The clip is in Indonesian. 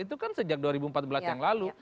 itu kan sejak dua ribu empat belas yang lalu